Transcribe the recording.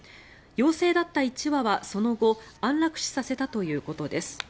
陽性だった１羽はその後安楽死させたということです。